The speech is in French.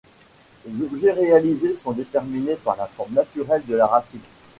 Les objets réalisés sont déterminés par la forme naturelle de la racine.